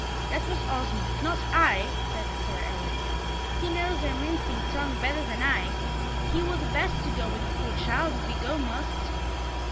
"That was Osmond, not I," said Sir Eric. "He knows their mincing tongue better than I. He were the best to go with the poor child, if go he must."